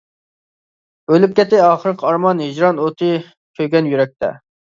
ئۆلۈپ كەتتى ئاخىرقى ئارمان، ھىجران ئوتى كۆيگەن يۈرەكتە.